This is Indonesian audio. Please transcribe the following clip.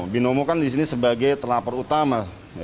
binomo kan disini sebagai telapor utama